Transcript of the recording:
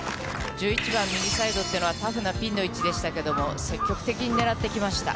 １１番右サイドというのは、タフなピンの位置でしたけれども、積極的に狙ってきました。